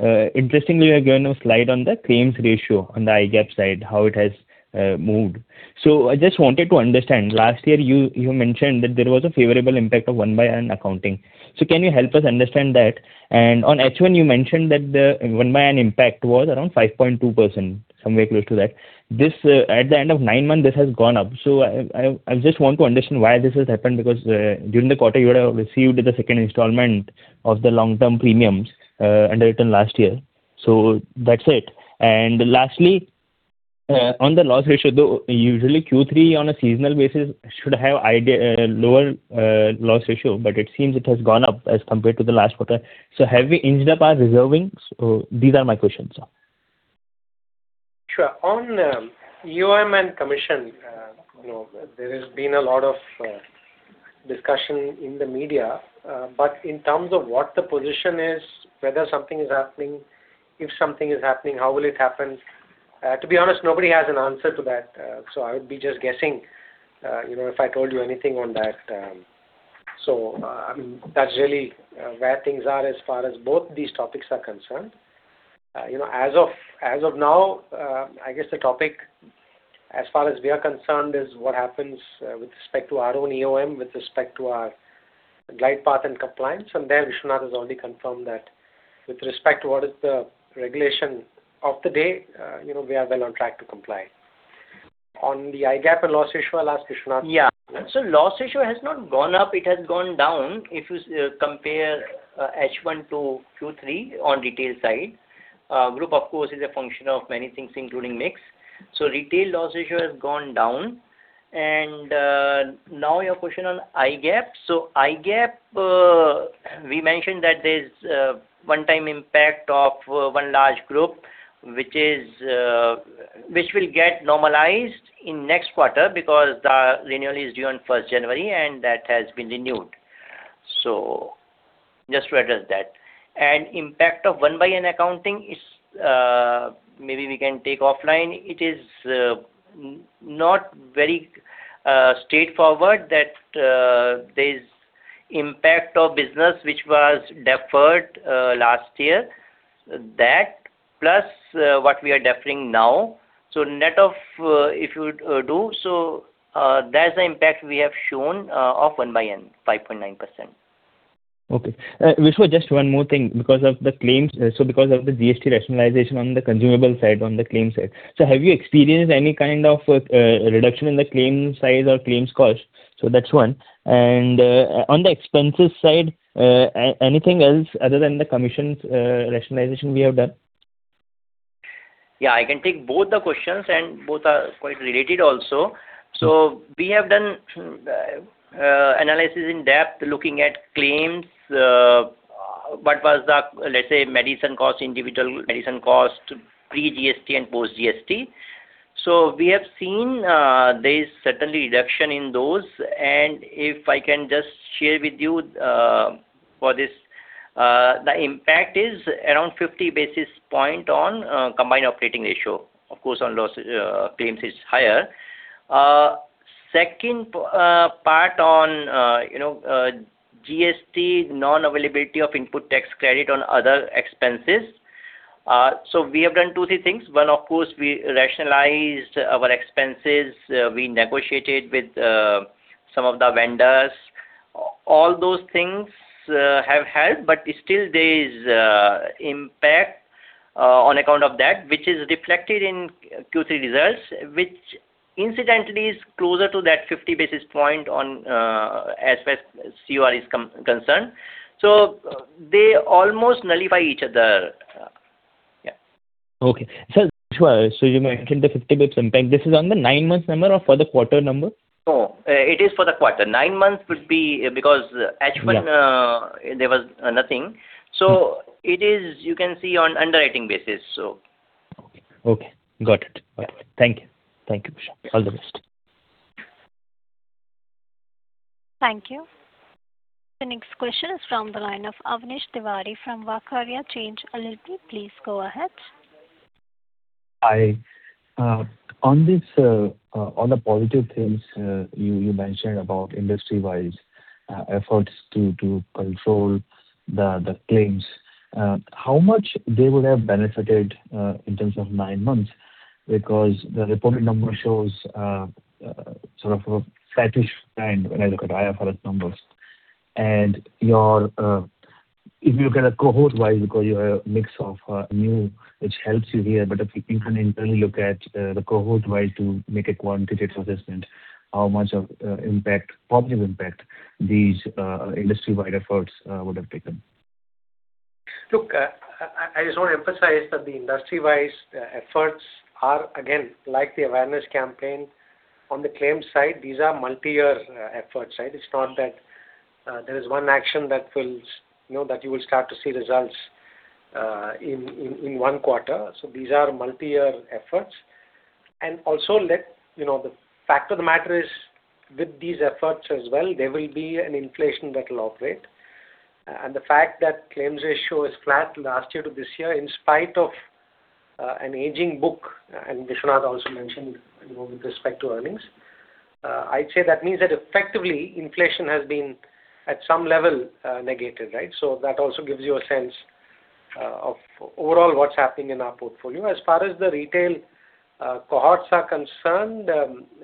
interestingly, we are given a slide on the claims ratio on the IGAAP side, how it has moved. So I just wanted to understand. Last year, you mentioned that there was a favorable impact of 1/N accounting. So can you help us understand that? On H1, you mentioned that the 1/N impact was around 5.2%, somewhere close to that. At the end of 9 months, this has gone up. I just want to understand why this has happened because during the quarter, you would have received the second installment of the long-term premiums underwritten last year. That's it. Lastly, on the loss ratio, though usually Q3 on a seasonal basis should have lower loss ratio, but it seems it has gone up as compared to the last quarter. So have we jacked up our reserving? These are my questions. Sure. On EOM and commission, there has been a lot of discussion in the media. But in terms of what the position is, whether something is happening, if something is happening, how will it happen? To be honest, nobody has an answer to that. So I would be just guessing if I told you anything on that. So I mean, that's really where things are as far as both these topics are concerned. As of now, I guess the topic as far as we are concerned is what happens with respect to our own EOM, with respect to our glide path and compliance. And there, Krishnan has already confirmed that with respect to what is the regulation of the day, we are well on track to comply. On the IGAAP and loss ratio, I'll ask Krishnan. Yeah. So loss ratio has not gone up. It has gone down if you compare H1 to Q3 on retail side. Group, of course, is a function of many things, including mix. So retail loss ratio has gone down. And now your question on IGAAP. So IGAAP, we mentioned that there's one-time impact of one large group, which will get normalized in next quarter because the renewal is due on 1st January, and that has been renewed. So just to address that. And impact of 1/N accounting, maybe we can take offline. It is not very straightforward that there is impact of business which was deferred last year. That plus what we are deferring now. So net of if you do, so there's an impact we have shown of 1/N, 5.9%. Okay. Vishwanath, just one more thing. Because of the claims, so because of the GST rationalization on the consumable side, on the claim side. So have you experienced any kind of reduction in the claim size or claims cost? So that's one. And on the expenses side, anything else other than the commissions rationalization we have done? Yeah. I can take both the questions, and both are quite related also. So we have done analysis in depth looking at claims, what was the, let's say, medicine cost, individual medicine cost, pre-GST and post-GST. So we have seen there is certainly reduction in those. And if I can just share with you for this, the impact is around 50 basis points on combined operating ratio. Of course, on loss claims, it's higher. Second part on GST, non-availability of input tax credit on other expenses. So we have done two or three things. One, of course, we rationalized our expenses. We negotiated with some of the vendors. All those things have helped, but still there is impact on account of that, which is reflected in Q3 results, which incidentally is closer to that 50 basis point as far as CUR is concerned. So they almost nullify each other. Yeah. Okay. Sir, Vishwanath, so you mentioned the 50 basis impact. This is on the nine-month number or for the quarter number? No. It is for the quarter. Nine months would be because H1, there was nothing. So it is, you can see, on underwriting basis, so. Okay. Got it. Thank you. Thank you, Vishwanath. All the best. Thank you. The next question is from the line of Avnish Tiwari from Vaikarya. Please go ahead. Hi. On the positive things you mentioned about industry-wide efforts to control the claims, how much they would have benefited in terms of 9 months? Because the reported number shows sort of a satisfactory when I look at IFRS numbers. If you look at it cohort-wise, because you have a mix of new, which helps you here, but if you can internally look at the cohort-wise to make a quantitative assessment, how much of positive impact these industry-wide efforts would have taken? Look, I just want to emphasize that the industry-wise efforts are, again, like the awareness campaign on the claim side, these are multi-year efforts, right? It's not that there is one action that you will start to see results in one quarter. So these are multi-year efforts. And also, the fact of the matter is with these efforts as well, there will be an inflation that will operate. And the fact that claims ratio is flat last year to this year, in spite of an aging book, and Krishnan also mentioned with respect to earnings, I'd say that means that effectively inflation has been at some level negated, right? So that also gives you a sense of overall what's happening in our portfolio. As far as the retail cohorts are concerned,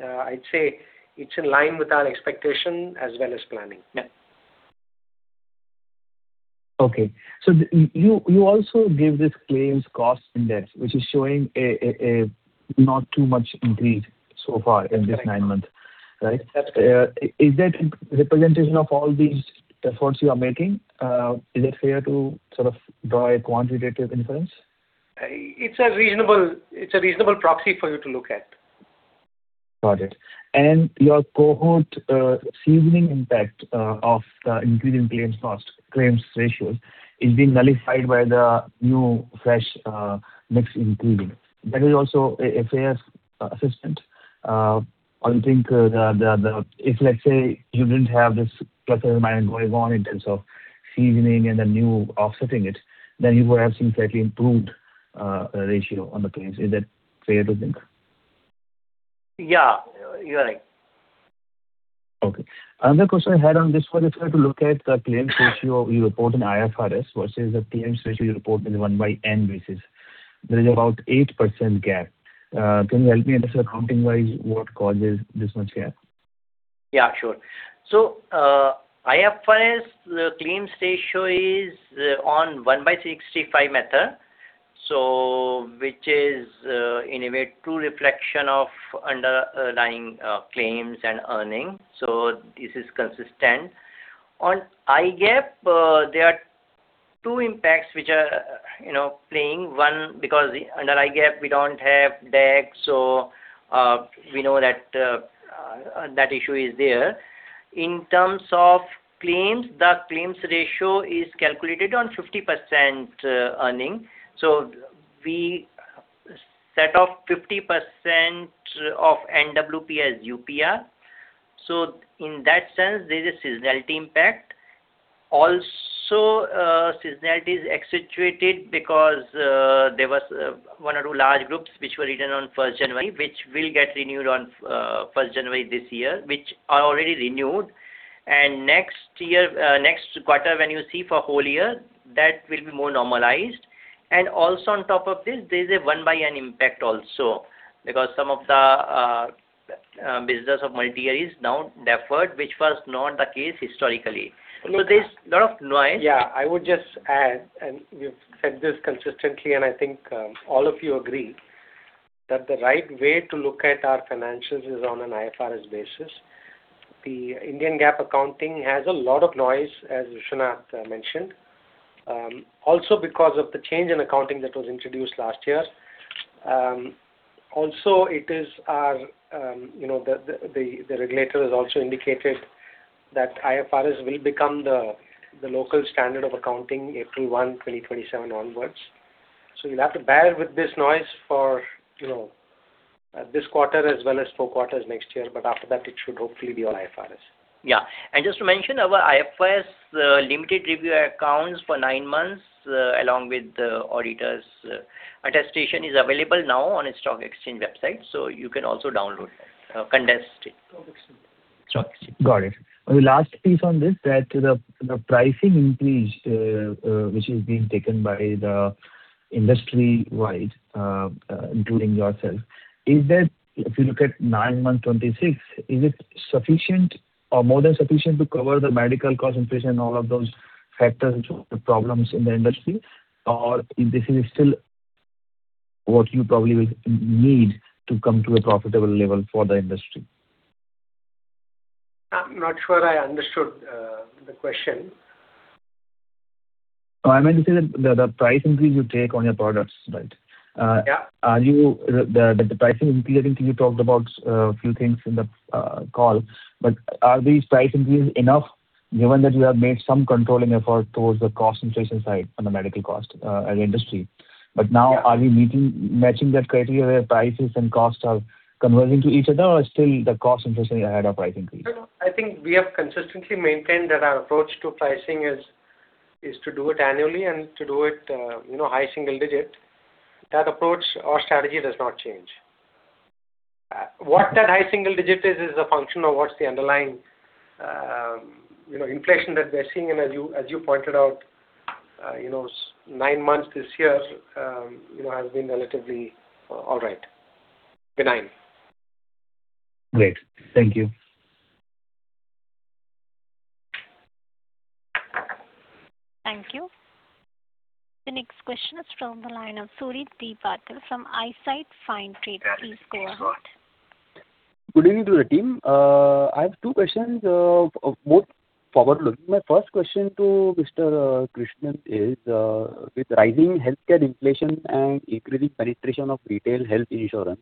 I'd say it's in line with our expectation as well as planning. Yeah. Okay. So you also gave this claims cost index, which is showing not too much increase so far in this nine months, right? That's correct. Is that representation of all these efforts you are making? Is it fair to sort of draw a quantitative inference? It's a reasonable proxy for you to look at. Got it. And your cohort seasoning impact of the increasing claims ratios is being nullified by the new fresh mix increasing. That is also a fair assessment. I think that if, let's say, you didn't have this plus or minus going on in terms of seasoning and then new offsetting it, then you would have seen slightly improved ratio on the claims. Is that fair to think? Yeah. You're right. Okay. Another question I had on this was if you were to look at the claims ratio you report in IFRS versus the claims ratio you report in the 1/N basis, there is about 8% gap. Can you help me understand accounting-wise what causes this much gap? Yeah, sure. So IFRS, the claims ratio is on 1/N method, which is in a way true reflection of underlying claims and earning. So this is consistent. On IGAAP, there are two impacts which are playing. One, because under IGAAP, we don't have DAC, so we know that that issue is there. In terms of claims, the claims ratio is calculated on 50% earning. So we set off 50% of NWP as UPR. So in that sense, there is a seasonality impact. Also, seasonality is accentuated because there were one or two large groups which were written on 1st January, which will get renewed on 1st January this year, which are already renewed. And next quarter, when you see for whole year, that will be more normalized. And also on top of this, there is a 1/N impact also because some of the business of multi-year is now deferred, which was not the case historically. So there's a lot of noise. Yeah. I would just add, and we've said this consistently, and I think all of you agree that the right way to look at our financials is on an IFRS basis. The Indian GAAP accounting has a lot of noise, as Vishwanath mentioned, also because of the change in accounting that was introduced last year. Also, our regulator has also indicated that IFRS will become the local standard of accounting April 1, 2027 onwards. So you'll have to bear with this noise for this quarter as well as four quarters next year, but after that, it should hopefully be all IFRS. Yeah. Just to mention, our IFRS limited review accounts for nine months along with the auditor's attestation is available now on the stock exchange website, so you can also download it, condensed it. Got it. The last piece on this, that the pricing increase which is being taken by the industry-wide, including yourself, is that if you look at 9 months 2026, is it sufficient or more than sufficient to cover the medical cost, inflation, and all of those factors or problems in the industry? Or this is still what you probably will need to come to a profitable level for the industry? I'm not sure I understood the question. I meant to say that the price increase you take on your products, right? Yeah. The pricing increase, I think you talked about a few things in the call, but are these price increases enough given that you have made some controlling effort towards the cost inflation side on the medical cost as an industry? But now, are we matching that criteria where prices and costs are converging to each other, or is still the cost inflation ahead of price increase? I think we have consistently maintained that our approach to pricing is to do it annually and to do it high single digit. That approach or strategy does not change. What that high single digit is, is a function of what's the underlying inflation that we're seeing. As you pointed out, 9 months this year has been relatively all right, benign. Great. Thank you. Thank you. The next question is from the line of Sucrit Patel from Eyesight Fintrade, please go ahead. Good evening to the team. I have two questions, both forward-looking. My first question to Mr. Krishnan is, with rising healthcare inflation and increasing penetration of retail health insurance,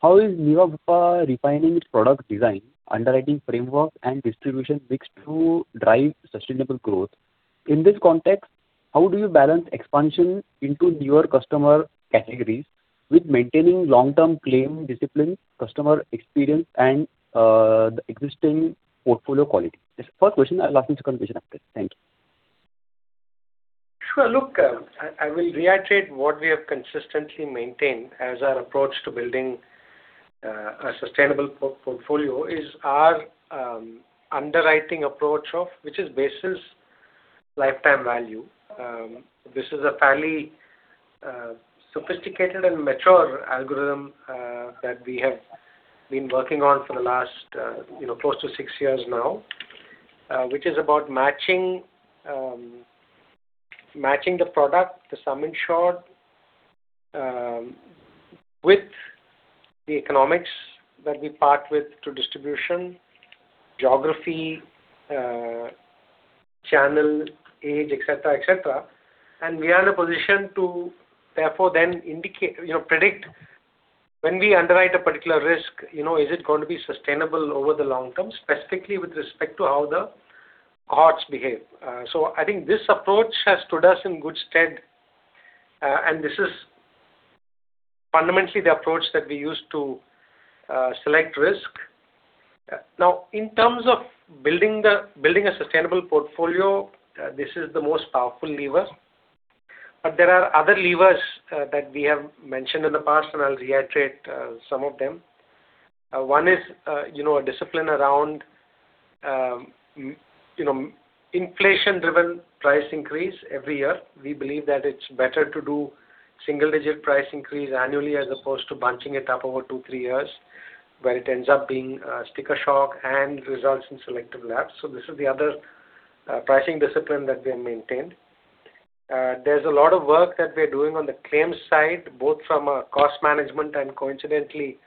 how is Niva Bupa refining its product design, underwriting framework, and distribution mix to drive sustainable growth? In this context, how do you balance expansion into newer customer categories with maintaining long-term claim discipline, customer experience, and the existing portfolio quality? This is the first question. I'll ask the second question after. Thank you. Well, look, I will reiterate what we have consistently maintained as our approach to building a sustainable portfolio is our underwriting approach of which is basis lifetime value. This is a fairly sophisticated and mature algorithm that we have been working on for the last close to six years now, which is about matching the product, the sum insured, with the economics that we part with to distribution, geography, channel, age, etc., etc. We are in a position to therefore then predict when we underwrite a particular risk, is it going to be sustainable over the long term, specifically with respect to how the cohorts behave? So I think this approach has stood us in good stead, and this is fundamentally the approach that we use to select risk. Now, in terms of building a sustainable portfolio, this is the most powerful lever. But there are other levers that we have mentioned in the past, and I'll reiterate some of them. One is a discipline around inflation-driven price increase every year. We believe that it's better to do single-digit price increase annually as opposed to bunching it up over two, three years, where it ends up being a sticker shock and results in selective laps. So this is the other pricing discipline that we have maintained. There's a lot of work that we are doing on the claims side, both from a cost management and coincidentally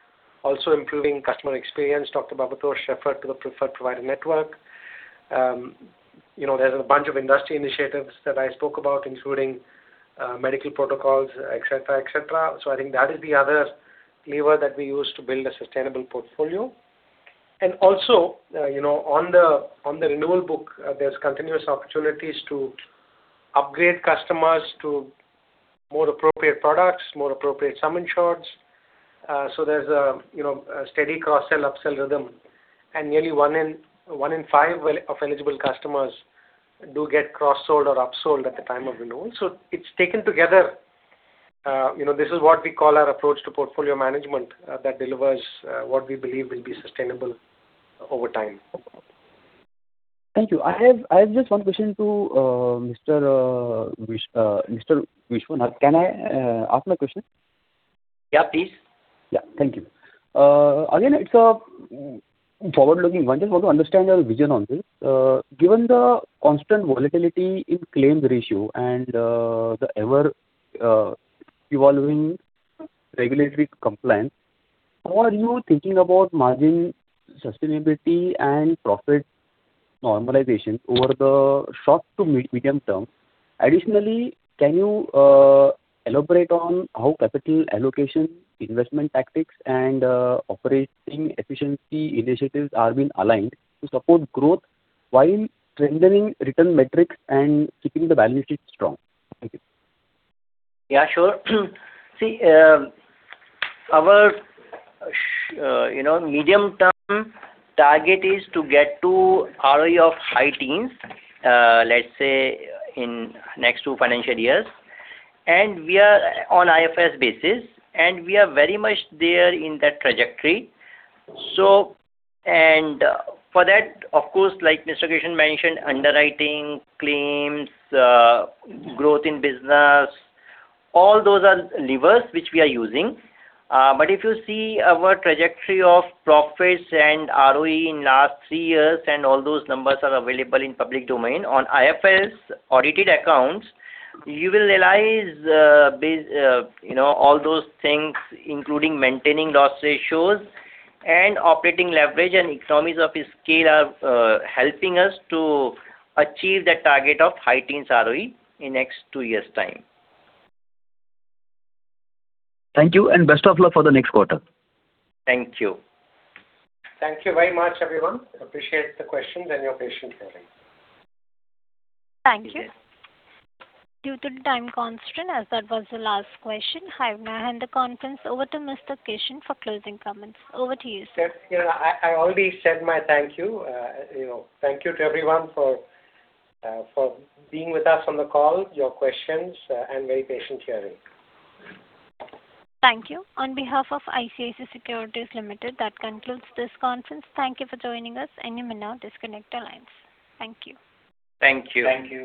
also improving customer experience, Dr. Bhabatosh spearheading the preferred provider network. There's a bunch of industry initiatives that I spoke about, including medical protocols, etc., etc. So I think that is the other lever that we use to build a sustainable portfolio. Also, on the renewal book, there's continuous opportunities to upgrade customers to more appropriate products, more appropriate sum insureds. So there's a steady cross-sell-upsell rhythm, and nearly one in five of eligible customers do get cross-sold or upsold at the time of renewal. So it's taken together. This is what we call our approach to portfolio management that delivers what we believe will be sustainable over time. Thank you. I have just one question to Mr. Vishwanath. Can I ask my question? Yeah, please. Yeah. Thank you. Again, it's a forward-looking one. Just want to understand your vision on this. Given the constant volatility in claims ratio and the ever-evolving regulatory compliance, how are you thinking about margin sustainability and profit normalization over the short to medium term? Additionally, can you elaborate on how capital allocation, investment tactics, and operating efficiency initiatives are being aligned to support growth while strengthening return metrics and keeping the balance sheet strong? Thank you. Yeah, sure. See, our medium-term target is to get to ROE of high teens, let's say, in next two financial years. And we are on IFRS basis, and we are very much there in that trajectory. And for that, of course, like Mr. Krishnan mentioned, underwriting, claims, growth in business, all those are levers which we are using. But if you see our trajectory of profits and ROE in the last three years and all those numbers are available in public domain on IFRS-audited accounts, you will realize all those things, including maintaining loss ratios and operating leverage and economies of scale, are helping us to achieve that target of high teens ROE in the next two years' time. Thank you. Best of luck for the next quarter. Thank you. Thank you very much, everyone. Appreciate the questions and your patient hearing. Thank you. Due to the time constraint, as that was the last question, I now hand the conference over to Mr. Krishnan for closing comments. Over to you, sir. I already said my thank you. Thank you to everyone for being with us on the call, your questions, and very patient hearing. Thank you. On behalf of ICICI Securities Limited, that concludes this conference. Thank you for joining us. In a minute, disconnect the line. Thank you. Thank you. Thank you.